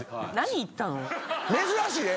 珍しいで。